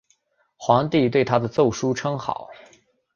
皇帝对他的奏疏称好。